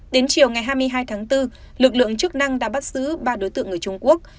đến chiều ngày hai mươi hai tháng bốn lực lượng chức năng đã bắt giữ ba đối tượng người trung quốc